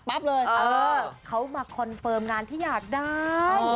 เลยเขามาคอนเฟิร์มงานที่อยากได้